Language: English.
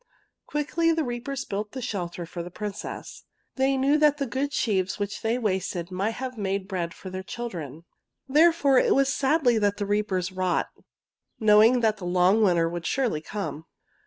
Quickly the reapers built the shelter for the Princess. They knew that the good sheaves which they wasted might have made bread for their children. Therefore it was sadly that the reapers wrought, knowing that the long winter would surely come.